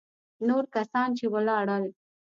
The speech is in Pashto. نور کسان چې ولاړل.